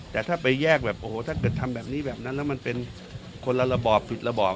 แต่ถ้าไปแยกแบบโอ้โหถ้าเกิดทำแบบนี้แบบนั้นแล้วมันเป็นคนละระบอบผิดระบอบ